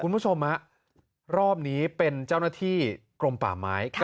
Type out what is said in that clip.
คุณผู้ชมฮะรอบนี้เป็นเจ้าหน้าที่กรมป่าไม้